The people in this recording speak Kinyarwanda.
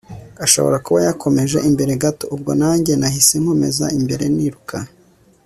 ashobora kuba yakomeje imbere gato! ubwo nanjye nahise nkomeza imbere niruka